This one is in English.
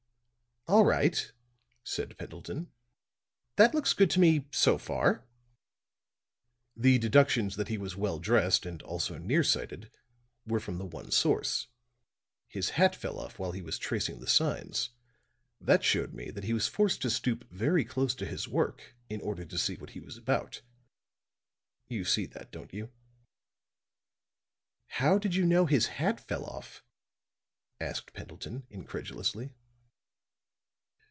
"All right," said Pendleton. "That looks good to me, so far." "The deductions that he was well dressed and also near sighted were from the one source. His hat fell off while he was tracing the signs; that showed me that he was forced to stoop very close to his work in order to see what he was about. You see that, don't you?" "How did you know his hat fell off?" asked Pendleton, incredulously.